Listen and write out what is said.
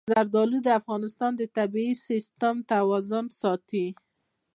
زردالو د افغانستان د طبعي سیسټم توازن ساتي.